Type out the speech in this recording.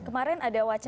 kemarin ada wacana atau